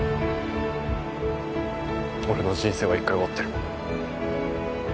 俺の人生は一回終わってる。